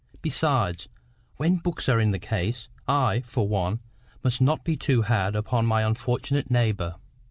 Besides, when books are in the case, I, for one, must not be too hard upon my unfortunate neighbour."